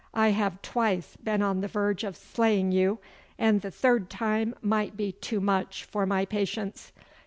'I have twice been on the verge of slaying you, and the third time might be too much for my patience.